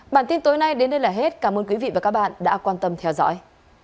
bản tin tối nay đến đây là hết cảm ơn quý vị và các bạn đã quan tâm theo dõi